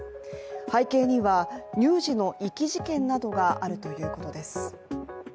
背景には乳児の遺棄事件などがあるということです。